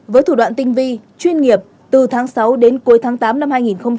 với thủ đoạn tinh vi chuyên nghiệp từ tháng sáu đến cuối tháng tám năm hai nghìn hai mươi